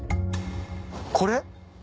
これ？